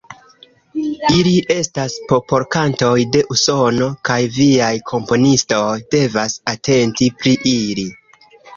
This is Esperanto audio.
Ili estas popolkantoj de Usono kaj viaj komponistoj devas atenti pri ili.